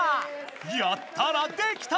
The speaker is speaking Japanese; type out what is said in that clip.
やったらできた！